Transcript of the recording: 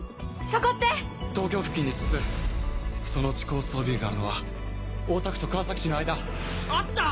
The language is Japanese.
そこって⁉東京付近に５つそのうち高層ビルがあるのは大田区と川崎市の間！あった！